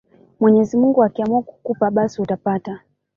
Mwenyezi mungu akiamua kukupa basi utapata